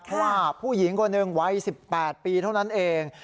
เพราะว่าผู้หญิงคนหนึ่งวัย๑๘ปีเท่านั้นเอง